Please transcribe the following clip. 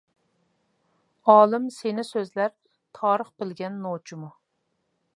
ئالىم سېنى سۆزلەر، تارىخ بىلگەن نوچىمۇ!